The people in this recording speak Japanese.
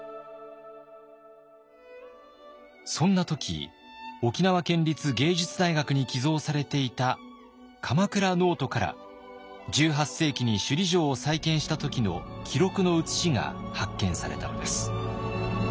そんな時沖縄県立芸術大学に寄贈されていた鎌倉ノートから１８世紀に首里城を再建した時の記録の写しが発見されたのです。